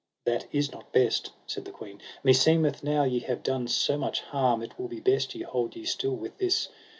That is not best, said the queen; meseemeth now ye have done so much harm, it will be best ye hold you still with this.